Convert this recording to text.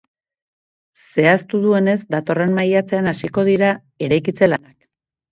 Zehaztu duenez, datorren maiatzean hasiko dira eraikitze lanak.